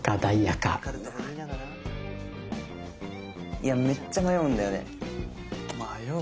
いやめっちゃ迷うんだよね。